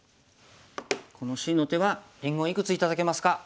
このＣの手はりんごいくつ頂けますか？